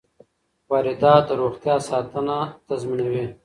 واردات د روغتیا ساتنه تضمینوي.